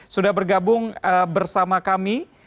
sudah bergabung bersama kami